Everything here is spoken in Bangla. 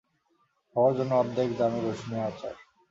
সবার জন্য অর্ধেক দামে রসুনের আচার।